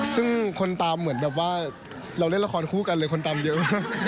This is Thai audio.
ซึ่งคนตามเหมือนแบบว่าเราเล่นละครคู่กันเลยคนตามเยอะมาก